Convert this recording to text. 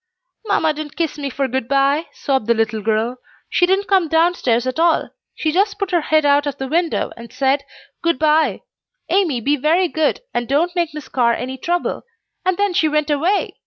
"Mamma didn't kiss me for good by," sobbed the little girl. "She didn't come downstairs at all. She just put her head out of the window and said, 'Good by; Amy, be very good, and don't make Miss Carr any trouble,' and then she went away.